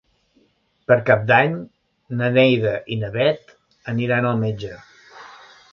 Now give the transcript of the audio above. Per Cap d'Any na Neida i na Bet aniran al metge.